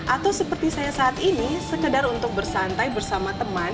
atau seperti saya saat ini sekedar untuk bersantai bersama teman